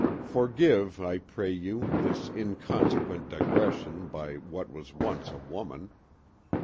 Forgive, I pray you, this inconsequent digression by what was once a woman.